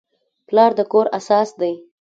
پلار د کور اساس دی.